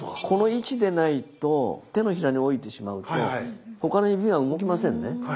この位置でないと手のひらにおいてしまうと他の指が動きませんね。